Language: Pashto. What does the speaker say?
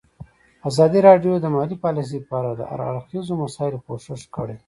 ازادي راډیو د مالي پالیسي په اړه د هر اړخیزو مسایلو پوښښ کړی.